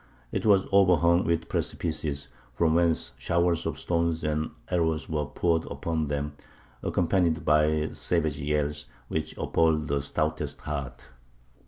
It was overhung with precipices, from whence showers of stones and arrows were poured upon them, accompanied by savage yells, which appalled the stoutest heart.